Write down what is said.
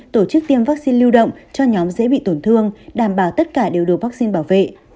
tổ chức tiêm vaccine lưu động cho nhóm dễ bị tổn thương đảm bảo tất cả đều được vaccine bảo vệ